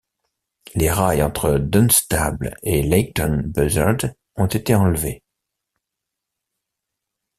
Les rails entre Dunstable et Leighton Buzzard ont été enlevés.